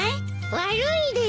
悪いです。